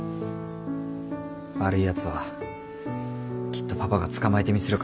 悪いやつはきっとパパが捕まえてみせるから。